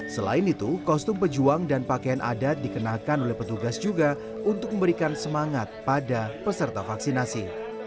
selain itu kostum pejuang dan pakaian adat dikenakan oleh petugas juga untuk memberikan semangat pada peserta vaksinasi